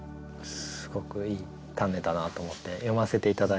すごくいい「たね」だなと思って読ませて頂いて。